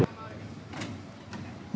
nên là em nghĩ là